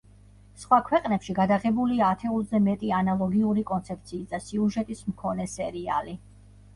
სხვა ქვეყნებში გადაღებულია ათეულზე მეტი ანალოგიური კონცეფციის და სიუჟეტის მქონე სერიალი.